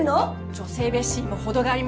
女性蔑視にも程があります。